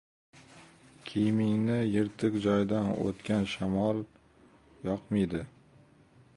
– kiyimingning yirtiq joyidan o‘tgan shamol yoqmaydi;